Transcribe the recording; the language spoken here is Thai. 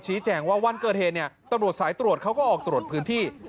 แจ้งว่าวันเกิดเหตุเนี่ยตำรวจสายตรวจเขาก็ออกตรวจพื้นที่